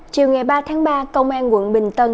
chiều ngày ba tháng ba công an quận bình tân